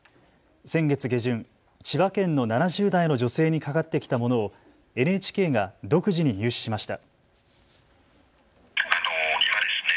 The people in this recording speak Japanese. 先月下旬、千葉県の７０代の女性にかかってきたものをＮＨＫが独自に入手しました。